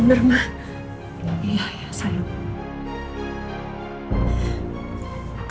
permisi di strategis sayang kamu juga